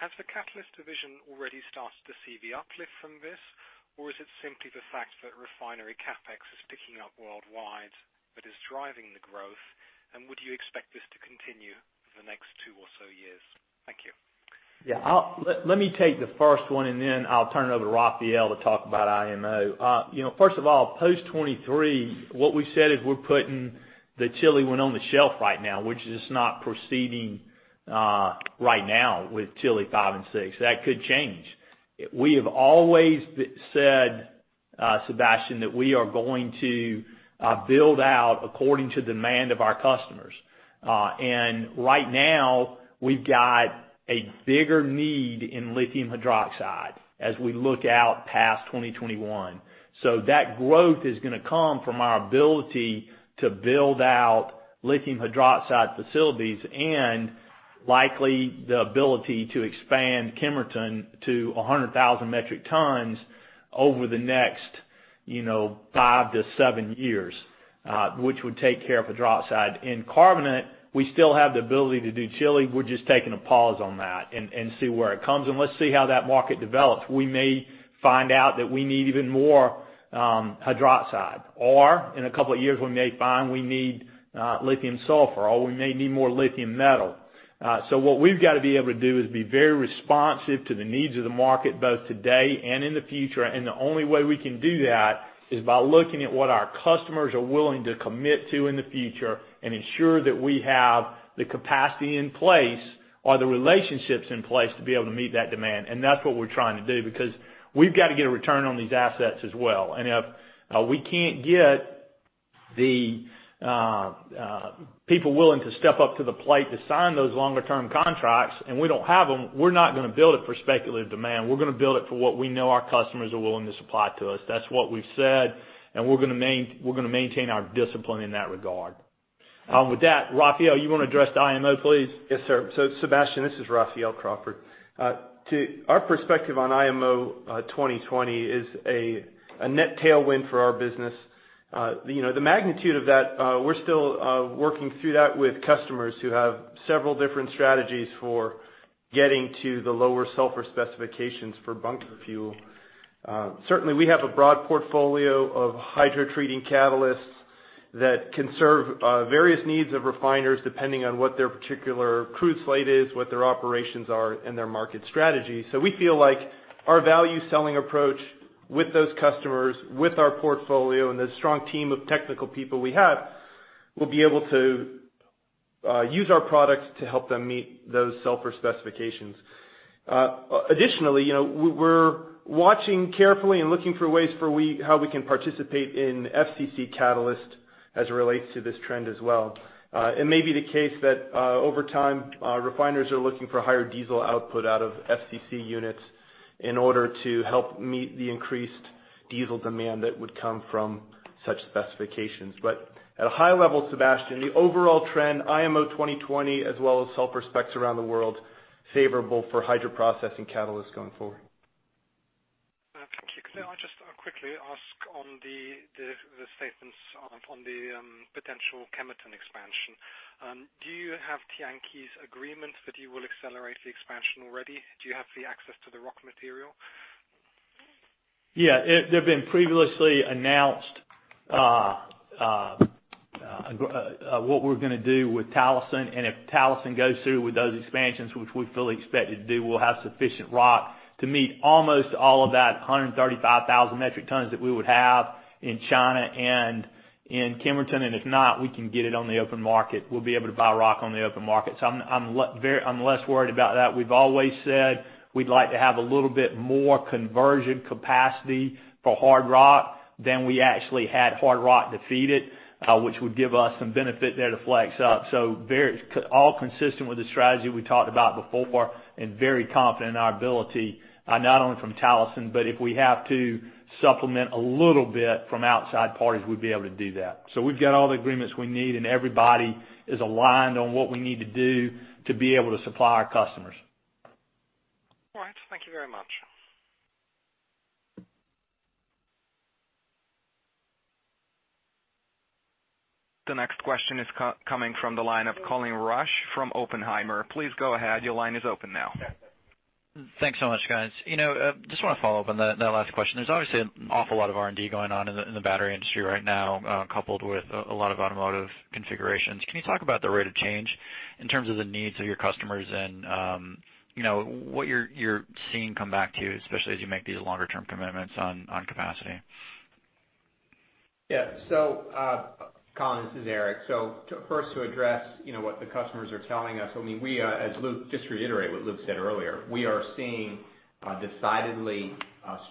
Speaker 14: Has the catalyst division already started to see the uplift from this? Or is it simply the fact that refinery CapEx is picking up worldwide that is driving the growth? Would you expect this to continue for the next two or so years? Thank you.
Speaker 2: Yeah. Let me take the first one, and then I'll turn it over to Raphael to talk about IMO. First of all, post 2023, what we've said is we're putting the Chile 1 on the shelf right now, which is not proceeding right now with Chile five and six. That could change. We have always said, Sebastian, that we are going to build out according to demand of our customers. Right now we've got a bigger need in lithium hydroxide as we look out past 2021. That growth is going to come from our ability to build out lithium hydroxide facilities and likely the ability to expand Kemerton to 100,000 metric tons over the next 5-7 years, which would take care of hydroxide and carbonate. We still have the ability to do Chile. We're just taking a pause on that and see where it comes, and let's see how that market develops. We may find out that we need even more hydroxide. In a couple of years, we may find we need lithium sulfur, or we may need more lithium metal. What we've got to be able to do is be very responsive to the needs of the market both today and in the future. The only way we can do that is by looking at what our customers are willing to commit to in the future and ensure that we have the capacity in place or the relationships in place to be able to meet that demand. That's what we're trying to do, because we've got to get a return on these assets as well. If we can't get the people willing to step up to the plate to sign those longer term contracts, and we don't have them, we're not going to build it for speculative demand. We're going to build it for what we know our customers are willing to supply to us. That's what we've said, and we're going to maintain our discipline in that regard. With that, Raphael, you want to address the IMO, please?
Speaker 13: Yes, sir. Sebastian, this is Raphael Crawford. Our perspective on IMO 2020 is a net tailwind for our business. The magnitude of that, we're still working through that with customers who have several different strategies for getting to the lower sulfur specifications for bunker fuel. Certainly, we have a broad portfolio of hydrotreating catalysts that can serve various needs of refiners depending on what their particular crude slate is, what their operations are, and their market strategy. We feel like our value selling approach with those customers, with our portfolio, and the strong team of technical people we have, will be able to use our products to help them meet those sulfur specifications. Additionally, we're watching carefully and looking for ways for how we can participate in FCC catalyst as it relates to this trend as well. It may be the case that over time, refiners are looking for higher diesel output out of FCC units in order to help meet the increased diesel demand that would come from such specifications. At a high level, Sebastian, the overall trend, IMO 2020 as well as sulfur specs around the world, favorable for hydroprocessing catalysts going forward.
Speaker 14: Thank you. Could I just quickly ask on the statements on the potential Kemerton expansion. Do you have Tianqi's agreement that you will accelerate the expansion already? Do you have the access to the rock material?
Speaker 2: They've been previously announced, what we're going to do with Talison, and if Talison goes through with those expansions, which we fully expect it to do, we'll have sufficient rock to meet almost all of that 135,000 metric tons that we would have in China and in Kemerton. If not, we can get it on the open market. We'll be able to buy rock on the open market. I'm less worried about that. We've always said we'd like to have a little bit more conversion capacity for hard rock than we actually had hard rock to feed it, which would give us some benefit there to flex up. All consistent with the strategy we talked about before, and very confident in our ability, not only from Talison, but if we have to supplement a little bit from outside parties, we'd be able to do that. We've got all the agreements we need, and everybody is aligned on what we need to do to be able to supply our customers.
Speaker 14: All right. Thank you very much.
Speaker 4: The next question is coming from the line of Colin Rusch from Oppenheimer. Please go ahead. Your line is open now.
Speaker 15: Thanks so much, guys. Just want to follow up on that last question. There's obviously an awful lot of R&D going on in the battery industry right now, coupled with a lot of automotive configurations. Can you talk about the rate of change in terms of the needs of your customers and what you're seeing come back to you, especially as you make these longer term commitments on capacity?
Speaker 8: Yeah. Colin, this is Eric. First to address what the customers are telling us. Just to reiterate what Luke said earlier, we are seeing a decidedly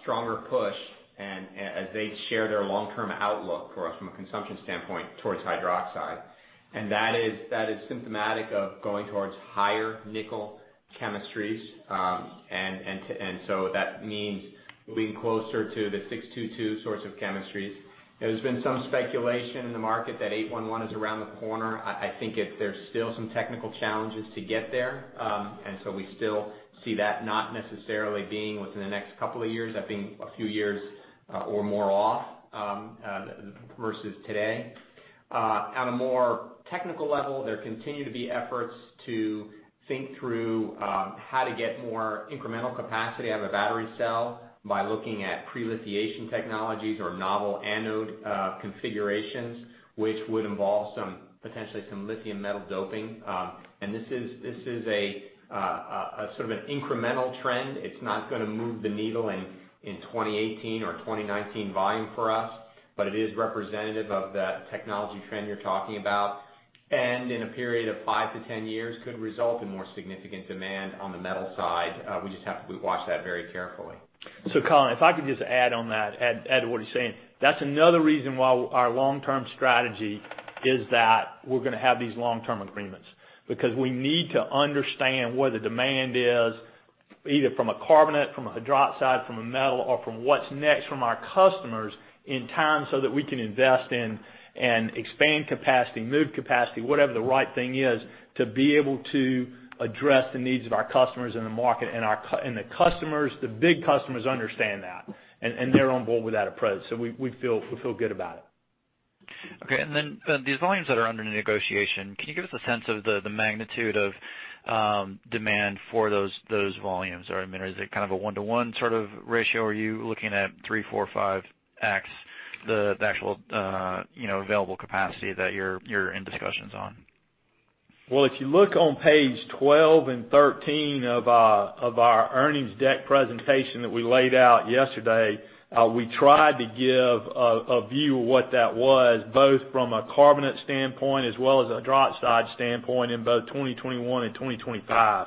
Speaker 8: stronger push as they share their long-term outlook for us from a consumption standpoint towards hydroxide. That is symptomatic of going towards higher nickel chemistries. That means moving closer to the 622 sorts of chemistries. There's been some speculation in the market that 811 is around the corner. I think there's still some technical challenges to get there. We still see that not necessarily being within the next couple of years. That being a few years or more off versus today. On a more technical level, there continue to be efforts to think through how to get more incremental capacity out of a battery cell by looking at pre-lithiation technologies or novel anode configurations, which would involve potentially some lithium metal doping. This is an incremental trend. It's not going to move the needle in 2018 or 2019 volume for us, but it is representative of the technology trend you're talking about. In a period of 5-10 years, could result in more significant demand on the metal side. We just have to watch that very carefully.
Speaker 2: Colin, if I could just add on that, add to what he's saying. That's another reason why our long-term strategy is that we're going to have these long-term agreements because we need to understand where the demand is, either from a carbonate, from a hydroxide, from a metal, or from what's next from our customers in time so that we can invest in and expand capacity, move capacity, whatever the right thing is to be able to address the needs of our customers in the market. The customers, the big customers understand that, and they're on board with that approach. We feel good about it.
Speaker 15: Okay. These volumes that are under negotiation, can you give us a sense of the magnitude of demand for those volumes? Is it a one to one sort of ratio? Are you looking at 3x, 4x, 5x the actual available capacity that you're in discussions on?
Speaker 2: If you look on page 12 and 13 of our earnings deck presentation that we laid out yesterday, we tried to give a view of what that was, both from a carbonate standpoint as well as a hydroxide standpoint in both 2021 and 2025.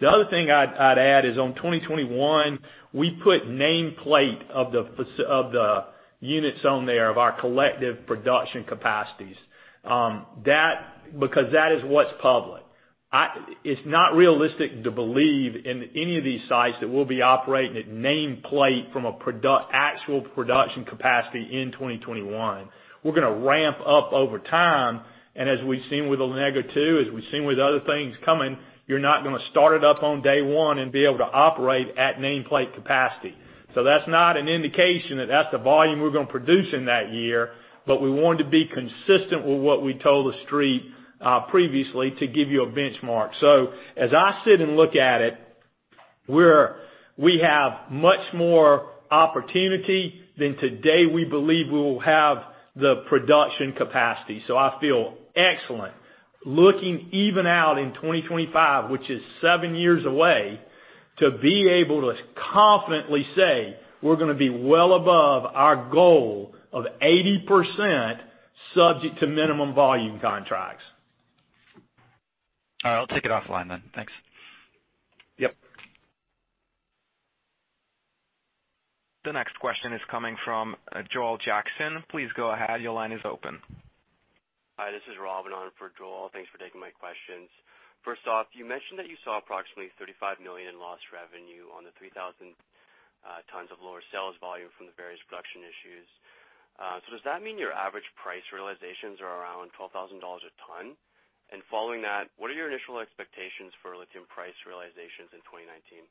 Speaker 2: The other thing I'd add is on 2021, we put nameplate of the units on there of our collective production capacities. Because that is what's public. It's not realistic to believe in any of these sites that we'll be operating at nameplate from an actual production capacity in 2021. We're going to ramp up over time, and as we've seen with Olego two, as we've seen with other things coming, you're not going to start it up on day one and be able to operate at nameplate capacity. That's not an indication that that's the volume we're going to produce in that year, but we wanted to be consistent with what we told the Street previously to give you a benchmark. As I sit and look at it, we have much more opportunity than today we believe we will have the production capacity. I feel excellent looking even out in 2025, which is seven years away, to be able to confidently say we're going to be well above our goal of 80% subject to minimum volume contracts.
Speaker 15: All right. I'll take it offline then. Thanks.
Speaker 2: Yep.
Speaker 4: The next question is coming from Joel Jackson. Please go ahead. Your line is open.
Speaker 16: Hi, this is Robin on for Joel. Thanks for taking my questions. First off, you mentioned that you saw approximately $35 million in lost revenue on the 3,000 tons of lower sales volume from the various production issues. Does that mean your average price realizations are around $12,000 a ton? Following that, what are your initial expectations for lithium price realizations in 2019?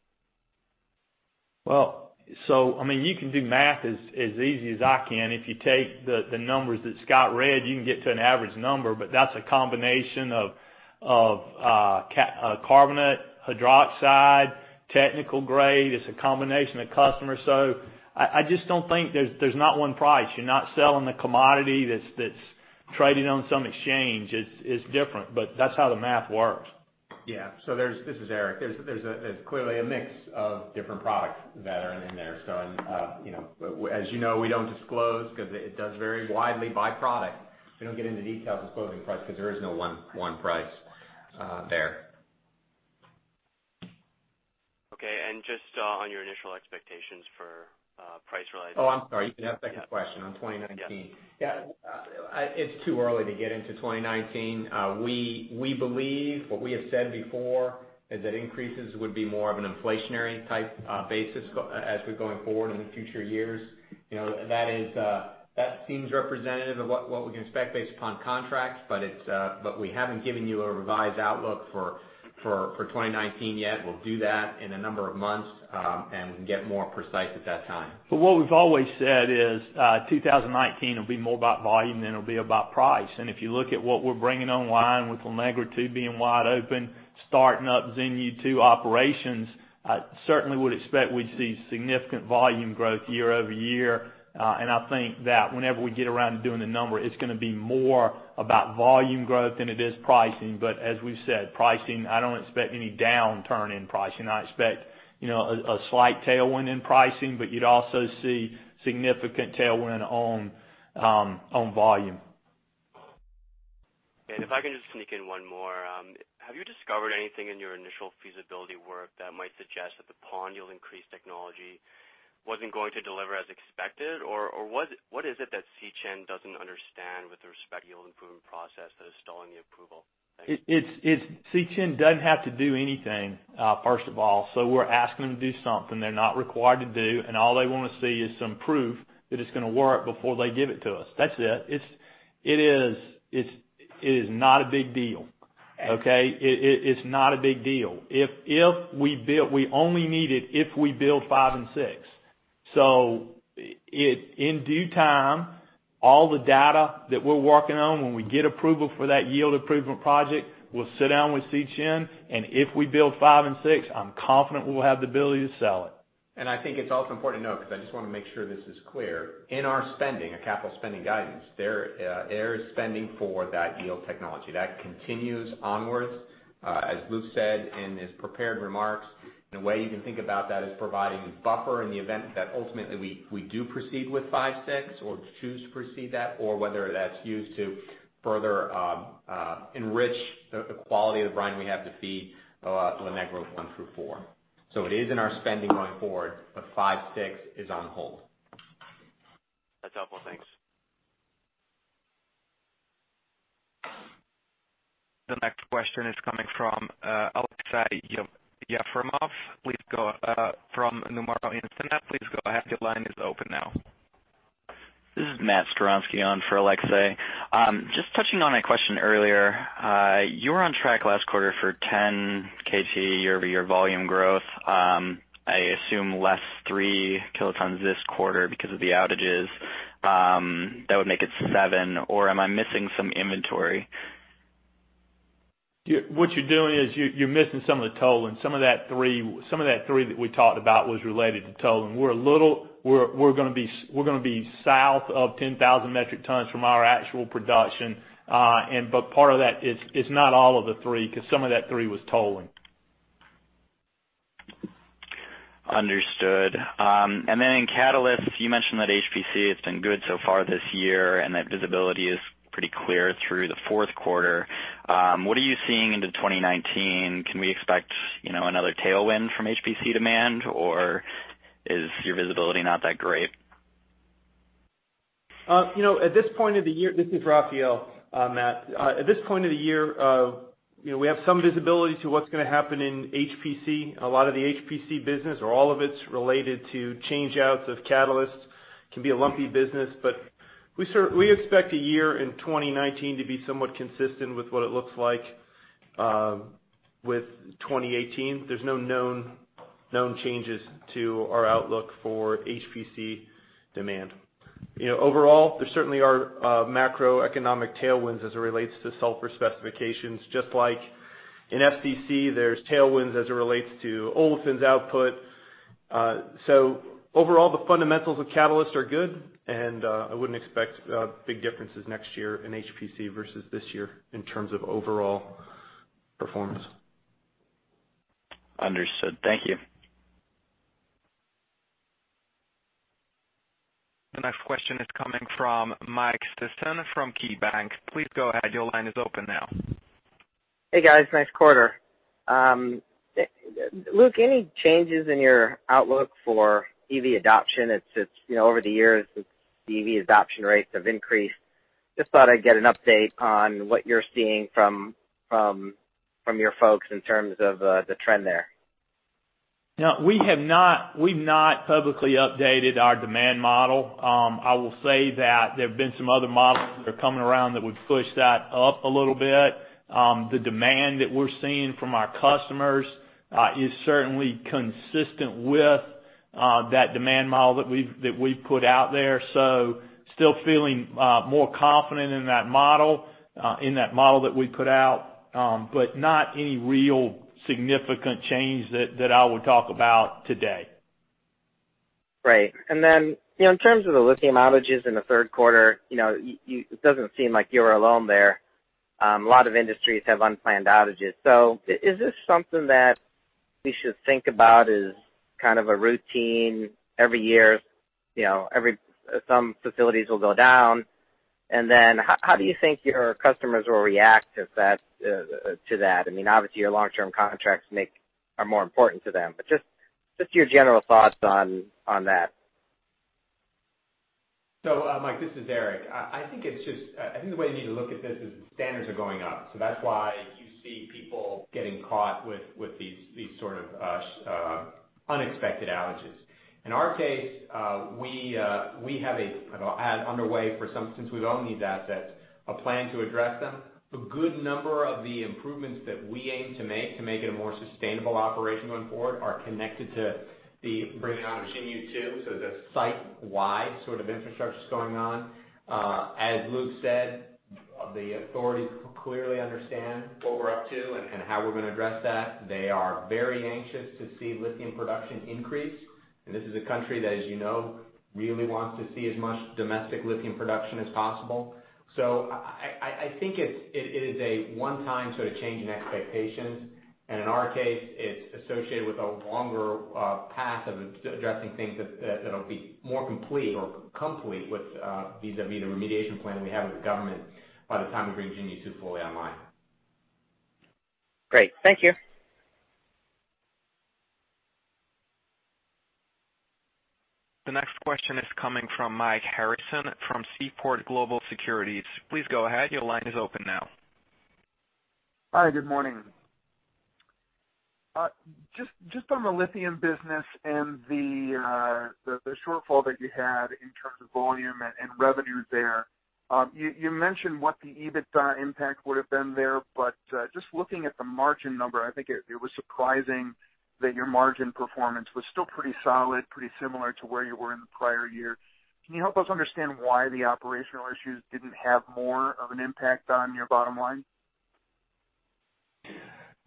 Speaker 2: You can do math as easy as I can. If you take the numbers that Scott read, you can get to an average number, that's a combination of carbonate, hydroxide-Technical grade, it's a combination of customers. I just don't think there's not one price. You're not selling the commodity that's trading on some exchange. It's different, that's how the math works.
Speaker 8: Yeah. This is Eric. There's clearly a mix of different products that are in there. As you know, we don't disclose because it does vary widely by product. We don't get into detail disclosing price because there is no one price there.
Speaker 16: Okay. Just on your initial expectations for price realization.
Speaker 8: Oh, I'm sorry. You can have second question on 2019.
Speaker 16: Yeah.
Speaker 8: Yeah. It's too early to get into 2019. We believe what we have said before is that increases would be more of an inflationary type basis as we're going forward in the future years. That seems representative of what we can expect based upon contracts, we haven't given you a revised outlook for 2019 yet. We'll do that in a number of months, and we can get more precise at that time.
Speaker 2: What we've always said is, 2019 will be more about volume than it'll be about price. If you look at what we're bringing online with La Negra II being wide open, starting up Xinyu II operations, I certainly would expect we'd see significant volume growth year-over-year. I think that whenever we get around to doing the number, it's going to be more about volume growth than it is pricing. As we've said, pricing, I don't expect any downturn in pricing. I expect a slight tailwind in pricing, but you'd also see significant tailwind on volume.
Speaker 16: If I can just sneak in one more. Have you discovered anything in your initial feasibility work that might suggest that the pond yield increase technology wasn't going to deliver as expected? Or what is it that Xinyu doesn't understand with respect to yield improvement process that is stalling the approval? Thanks.
Speaker 2: Xinyu doesn't have to do anything, first of all. We're asking them to do something they're not required to do, all they want to see is some proof that it's going to work before they give it to us. That's it. It is not a big deal. Okay? It's not a big deal. We only need it if we build five and six. In due time, all the data that we're working on, when we get approval for that yield improvement project, we'll sit down with Xinyu, and if we build five and six, I'm confident we'll have the ability to sell it.
Speaker 8: I think it's also important to note, because I just want to make sure this is clear. In our spending, our capital spending guidance, there is spending for that yield technology. That continues onwards. As Luke said in his prepared remarks, a way you can think about that is providing buffer in the event that ultimately we do proceed with five, six or choose to proceed that, or whether that's used to further enrich the quality of the brine we have to feed [inaudible] one through four. It is in our spending going forward, but five, six is on hold.
Speaker 16: That's helpful. Thanks.
Speaker 4: The next question is coming from Aleksey Yefremov from Nomura. Please go ahead. Your line is open now.
Speaker 17: This is Matthew Skowronski on for Aleksey. Touching on a question earlier. You were on track last quarter for 10kt year-over-year volume growth. I assume less three kilotons this quarter because of the outages. That would make it seven, or am I missing some inventory?
Speaker 2: What you're doing is you're missing some of the tolling. Some of that three that we talked about was related to tolling. We're going to be south of 10,000 metric tons from our actual production. Part of that, it's not all of the three, because some of that three was tolling.
Speaker 17: Understood. Then in catalysts, you mentioned that HPC has been good so far this year and that visibility is pretty clear through the fourth quarter. What are you seeing into 2019? Can we expect another tailwind from HPC demand, or is your visibility not that great?
Speaker 13: At this point of the year. This is Raphael, Matt. At this point of the year, we have some visibility to what's going to happen in HPC. A lot of the HPC business, or all of it's related to change outs of catalysts. It can be a lumpy business. We expect a year in 2019 to be somewhat consistent with what it looks like with 2018. There's no known changes to our outlook for HPC demand. Overall, there certainly are macroeconomic tailwinds as it relates to sulfur specifications. Just like in FCC, there's tailwinds as it relates to olefins' output. Overall, the fundamentals of catalysts are good, and I wouldn't expect big differences next year in HPC versus this year in terms of overall performance.
Speaker 17: Understood. Thank you.
Speaker 4: The next question is coming from Mike Sison from KeyBanc. Please go ahead. Your line is open now.
Speaker 18: Hey, guys. Nice quarter. Luke, any changes in your outlook for EV adoption? Over the years since EV adoption rates have increased. Just thought I'd get an update on what you're seeing from your folks in terms of the trend there.
Speaker 2: We've not publicly updated our demand model. I will say that there have been some other models that are coming around that would push that up a little bit. The demand that we're seeing from our customers is certainly consistent with that demand model that we've put out there. Still feeling more confident in that model that we put out, but not any real significant change that I would talk about today.
Speaker 18: Right. In terms of the lithium outages in the third quarter, it doesn't seem like you're alone there. A lot of industries have unplanned outages. Is this something that we should think about as kind of a routine every year? Some facilities will go down. How do you think your customers will react to that? I mean, obviously your long-term contracts are more important to them, but just your general thoughts on that.
Speaker 8: Mike, this is Eric. I think the way you need to look at this is, the standards are going up. That's why you see people getting caught with these sort of unexpected outages. In our case, we have had underway for some, since we've owned these assets, a plan to address them. A good number of the improvements that we aim to make to make it a more sustainable operation going forward are connected to the bringing on of Xinyu II. The site-wide sort of infrastructure's going on. As Luke said, the authorities clearly understand what we're up to and how we're going to address that. They are very anxious to see lithium production increase, and this is a country that, as you know, really wants to see as much domestic lithium production as possible. I think it is a one-time sort of change in expectations, and in our case, it's associated with a longer path of addressing things that'll be more complete or complete with vis-a-vis the remediation plan we have with the government by the time we bring Xinyu II fully online.
Speaker 18: Great. Thank you.
Speaker 4: The next question is coming from Mike Harrison from Seaport Global Securities. Please go ahead. Your line is open now.
Speaker 19: Hi, good morning. Just on the lithium business and the shortfall that you had in terms of volume and revenue there. You mentioned what the EBITDA impact would've been there, but just looking at the margin number, I think it was surprising that your margin performance was still pretty solid, pretty similar to where you were in the prior year. Can you help us understand why the operational issues didn't have more of an impact on your bottom line?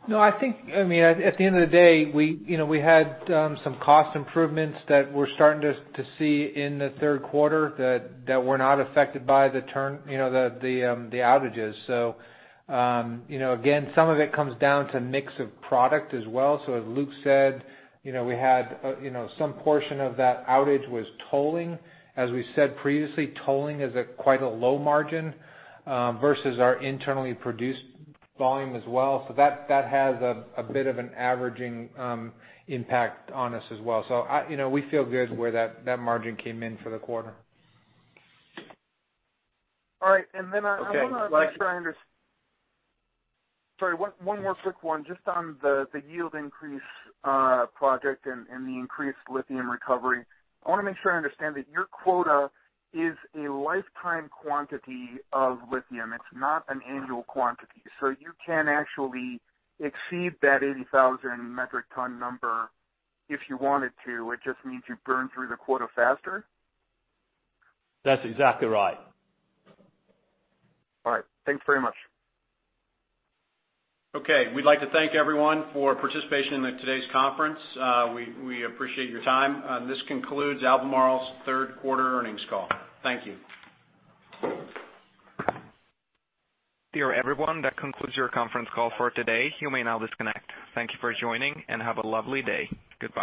Speaker 8: No, I think, at the end of the day, we had some cost improvements that we're starting to see in the third quarter that were not affected by the outages. Again, some of it comes down to mix of product as well. As Luke said, some portion of that outage was tolling. As we said previously, tolling is at quite a low margin versus our internally produced volume as well. That has a bit of an averaging impact on us as well. We feel good where that margin came in for the quarter.
Speaker 19: All right. Then I [crosstalk] Sorry, one more quick one just on the yield increase project and the increased lithium recovery. I want to make sure I understand that your quota is a lifetime quantity of lithium. It's not an annual quantity. You can actually exceed that 80,000 metric ton number if you wanted to. It just means you burn through the quota faster?
Speaker 2: That's exactly right.
Speaker 19: All right. Thank you very much.
Speaker 2: Okay. We'd like to thank everyone for participation in today's conference. We appreciate your time. This concludes Albemarle's third quarter earnings call. Thank you.
Speaker 4: Dear everyone, that concludes your conference call for today. You may now disconnect. Thank you for joining, and have a lovely day. Goodbye.